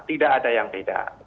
tidak ada yang beda